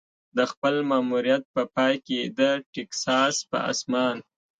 د خپل ماموریت په پای کې د ټیکساس په اسمان.